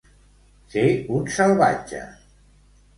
Ser un salvatge.